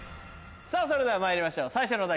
さぁそれではまいりましょう最初のお題